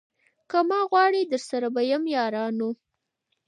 که ما غواړی درسره به یم یارانو